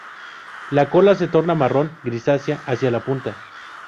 La cola se torna marrón grisácea hacia la punta.